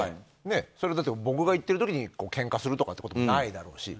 それだって僕が行っている時にけんかするということはないだろうし。